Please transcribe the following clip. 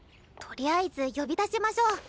とりあえず呼び出しましょう。